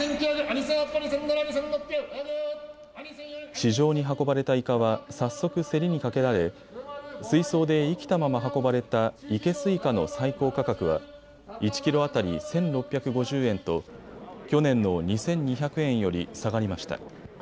市場に運ばれたイカは早速競りにかけられ水槽で生きたまま運ばれた生けすイカの最高価格は１キロ当たり１６５０円と去年の２２００円より下がりました。